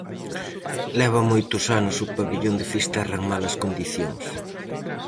Leva moito anos o pavillón de Fisterra en malas condicións.